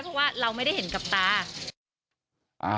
เพราะว่าเราไม่ได้เห็นกับตา